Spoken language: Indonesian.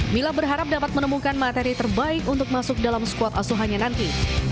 mila berharap dapat menemukan materi terbaik untuk masuk dalam skuad asuhannya nanti